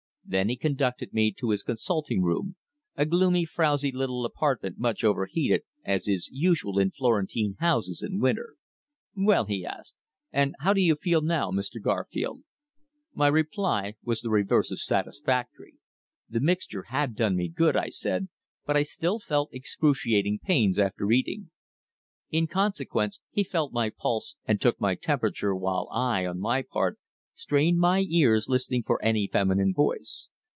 Then he conducted me to his consulting room, a gloomy, frowsy little apartment much over heated, as is usual in Florentine houses in winter. "Well?" he asked. "And how do you feel now, Mr. Garfield?" My reply was the reverse of satisfactory. The mixture had done me good, I said, but I still felt excruciating pains after eating. In consequence, he felt my pulse and took my temperature, while I, on my part, strained my ears listening for any feminine voice.